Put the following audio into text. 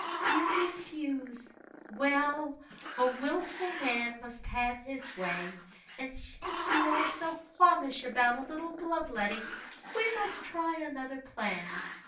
"You refuse! Well, a willful man must have him way; and since you are so qualmish about a little bloodletting, we must try another plan.